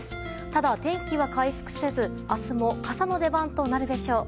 ただ天気は回復せず明日も傘の出番となるでしょう。